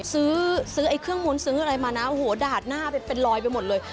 ซื้อเครื่องหมุ้นซื้อมันมานะหัวดาดหน้าเป็นลอยไปหมดเลย